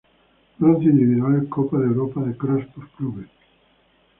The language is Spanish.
Bronce individual Copa de Europa de cross por clubes.